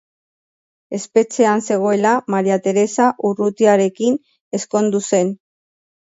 Espetxean zegoela Maria Teresa Urrutiarekin ezkondu zen.